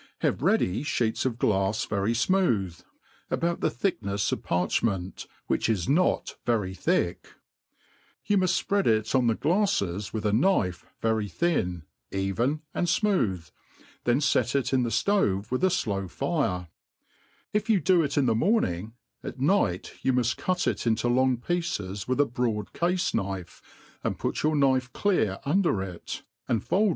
Have ready (heets of glafs very fmooth, about the thicknefs Cff parchment, which is not very thick. You n^uft fpread it on the glaffes with a knife, very thin, ^ even, and fmooth, then fet it in the ftove wrth a flow fire : if you do it in the morning, at aight y^uimuft cut it into long piccet with \ broad cafe knifi^ aj^ put your knife clc^ under it, and /old 3^2 APPENDIX TO THE ART OF COOKERY. .